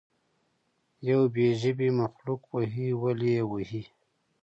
یو بې ژبې مخلوق وهئ ولې یې وهئ.